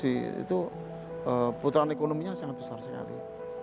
itu putaran ekonominya sangat besar sekali